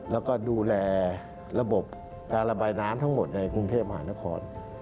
แล้วก็ดูแลระบบการระบายน้ำทั้งหมดในกรุงเทพมหานคร